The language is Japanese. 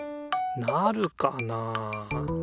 なるかなあ。